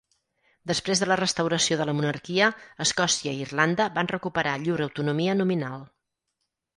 Després de la restauració de la monarquia Escòcia i Irlanda van recuperar llur autonomia nominal.